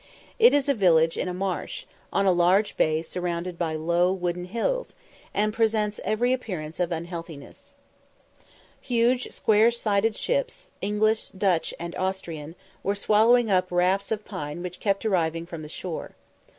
It is a village in a marsh, on a large bay surrounded by low wooded hills, and presents every appearance of unhealthiness. Huge square sided ships, English, Dutch, and Austrian, were swallowing up rafts of pine which kept arriving from the shore.